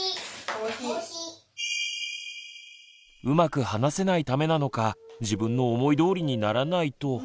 うまく話せないためなのか自分の思いどおりにならないと。